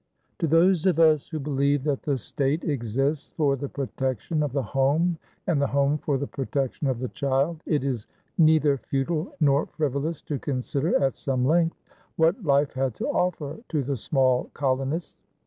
To those of us who believe that the state exists for the protection of the home and the home for the protection of the child, it is neither futile nor frivolous to consider at some length what life had to offer to the small colonists.